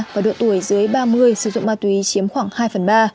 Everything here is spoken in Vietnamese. và độ tuổi dưới ba mươi sử dụng ma túy chiếm khoảng hai phần ba